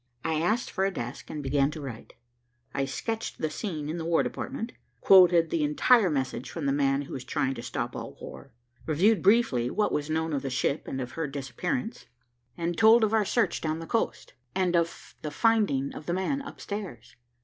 I asked for a desk, and began to write. I sketched the scene in the War Department, quoted the entire message from the man who was trying to stop all war, reviewed briefly what was known of the ship and of her disappearance, and told of our search down the coast, and of the finding of the man upstairs.